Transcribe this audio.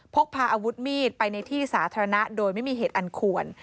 พกพาอาวุธมีดไปในที่สาธารณะโดยไม่มีเหตุอันควร